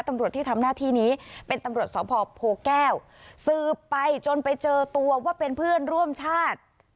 ตำรวจที่ทำหน้าที่นี้เป็นตำรวจสพโพแก้วสืบไปจนไปเจอตัวว่าเป็นเพื่อนร่วมชาติ